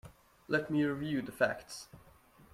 Let me review the facts.